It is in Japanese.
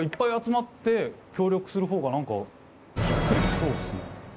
そうっすね